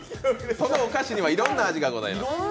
そのお菓子にはいろんな味がございます。